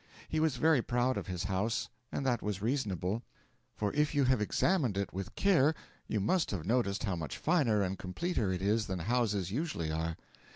He was very proud of his house, and that was reasonable, for if you have examined it with care you must have noticed how much finer and completer it is than houses usually are.